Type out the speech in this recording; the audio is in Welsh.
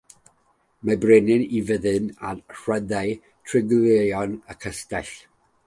Mae'r brenin a'i fyddin yn rhyddhau trigolion y castell.